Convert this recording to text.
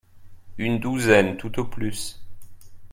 Une douzaine tout au plus